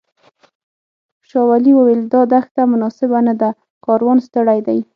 شاولي وویل دا دښته مناسبه نه ده کاروان ستړی دی.